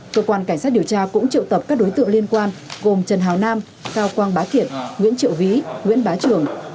cơ quan cảnh sát điều tra cũng triệu tập các đối tượng liên quan gồm trần hào nam cao quang bá thiện nguyễn triệu ví nguyễn bá trường